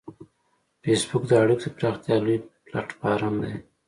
فېسبوک د اړیکو د پراختیا لوی پلیټ فارم دی